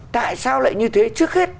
tại sao lại như thế trước hết